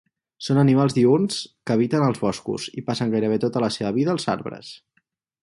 Són animals diürns que habiten als boscos, i passen gairebé tota la seva vida als arbres.